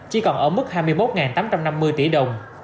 chỉ còn ở mức hai mươi một tám trăm năm mươi tỷ đồng